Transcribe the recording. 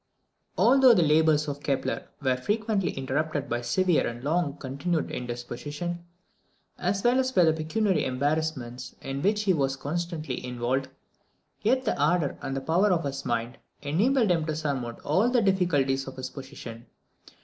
_ Although the labours of Kepler were frequently interrupted by severe and long continued indisposition, as well as by the pecuniary embarrassments in which he was constantly involved, yet the ardour and power of his mind enabled him to surmount all the difficulties of his position.